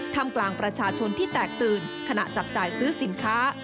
ทำกลางประชาชนที่แตกตื่นขณะจับจ่ายซื้อสินค้า